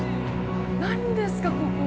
何ですか、ここ。